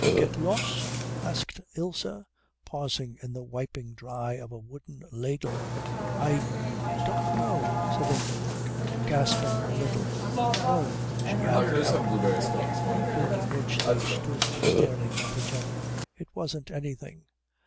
"Geht's los?" asked Ilse, pausing in the wiping dry of a wooden ladle. "I don't know," said Ingeborg, gasping a little. "No," she added after a minute, during which they stood staring at each other, "it wasn't anything."